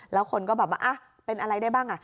แล้วคนก็แบบว่าเป็นอะไรได้บ้าง